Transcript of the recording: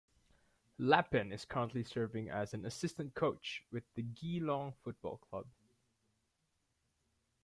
Lappin is currently serving as an assistant coach with the Geelong Football Club.